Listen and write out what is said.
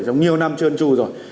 trong nhiều năm trơn trù rồi